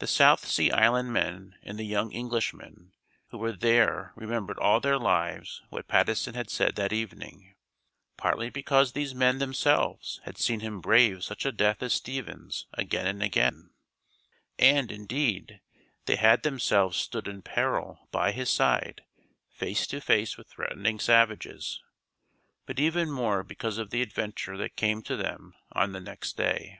The South Sea Island men and the young Englishman who were there remembered all their lives what Patteson had said that evening; partly because these men themselves had seen him brave such a death as Stephen's again and again, and, indeed, they had themselves stood in peril by his side face to face with threatening savages, but even more because of the adventure that came to them on the next day.